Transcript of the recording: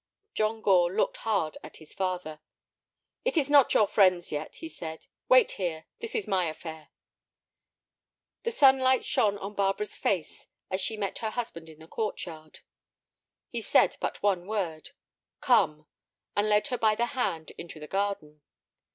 John Gore looked hard at his father. "It is not your friends yet," he said; "wait here; this is my affair." The sunlight shone on Barbara's face as she met her husband in the court yard. He said but one word—"Come"—and led her by the hand into the garden.